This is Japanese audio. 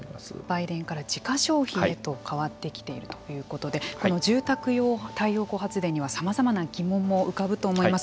売電から自家消費へと変わってきているということでこの住宅用太陽光発電にはさまざまな疑問も浮かぶと思います。